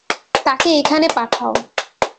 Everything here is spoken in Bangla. তাকে এখানে পাঠাও।